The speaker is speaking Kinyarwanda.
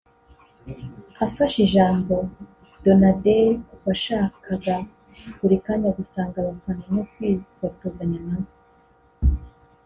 Afashe ijambo Donadei washakaga buri kanya gusanga abafana no kwifotozanya nabo